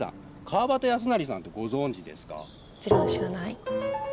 川端康成さんってご存じですか？